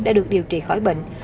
đã được điều trị khỏi bệnh